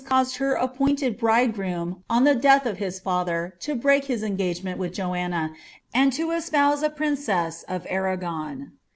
39 her appointed bridegroom, on the death of his father, to break his en gagement with Joanna, and to espouse a princess of Arragon.